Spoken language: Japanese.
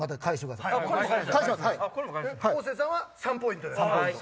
方正さんは３ポイントです。